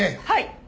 はい。